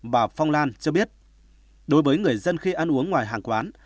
bà phong lan cho biết đối với người dân khi ăn uống ngoài hàng quán